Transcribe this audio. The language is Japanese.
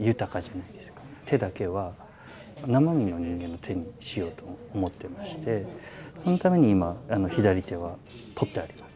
手だけは生身の人間の手にしようと思ってましてそのために今左手は取ってあります。